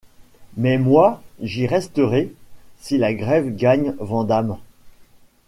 Mais moi, j’y resterai, si la grève gagne Vandame.